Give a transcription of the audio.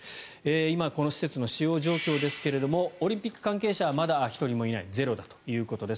今、この施設の使用状況ですがオリンピック関係者はまだ１人もいないゼロだということです。